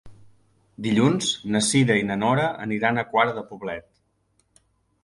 Dilluns na Cira i na Nora aniran a Quart de Poblet.